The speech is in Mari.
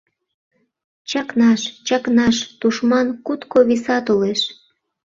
— Чакнаш, чакнаш: тушман кутко виса толеш!